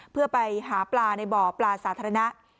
เพื่อไปหาปลาในบ่อปลาสาธารณะ